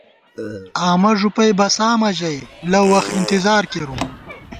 آمہ ݫُپَئ بَسامہ ژَئی ، لَؤ وَخ اِنتِظار کېرُوم